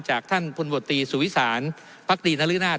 จากท่านพุนโบรตีสุวิสารพักฎีนรรภินาศ